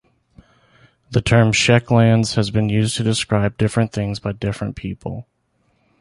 The term Czech lands has been used to describe different things by different people.